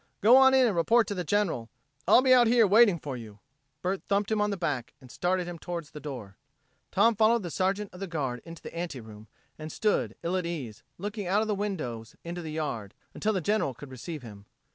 Go on in and report to the General. I'll be out here waiting for you." Bert thumped him on the back and started him towards the door. Tom followed the Sergeant of the Guard into the anteroom, and stood, ill at ease, looking out of the windows into the yard, until the General could receive him.